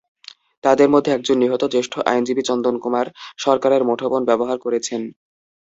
তাঁদের মধ্যে একজন নিহত জ্যেষ্ঠ আইনজীবী চন্দন কুমার সরকারের মুঠোফোন ব্যবহার করেছেন।